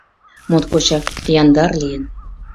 Моткочак яндар лийын.